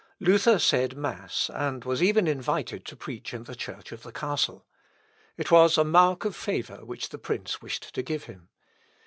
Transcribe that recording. Luther said mass, and was even invited to preach in the church of the castle. It was a mark of favour which the prince wished to give him.